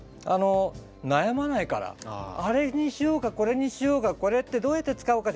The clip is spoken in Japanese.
あれにしようかこれにしようかこれってどうやって使うかって。